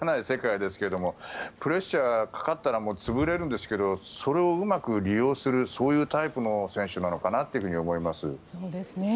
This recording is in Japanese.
世界ですけどプレッシャーかかったら潰れるんですけどそれをうまく利用するタイプの選手なのかなという気がします。